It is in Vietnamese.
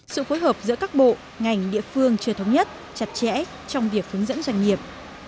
sự phối hợp giữa các bộ ngành địa phương chưa thống nhất chặt chẽ trong việc hướng dẫn doanh nghiệp